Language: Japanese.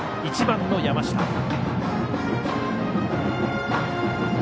１番の山下。